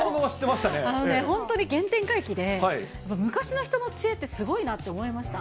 本当に原点回帰で、昔の人の知恵ってすごいなと思いました。